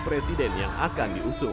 presiden yang akan diusung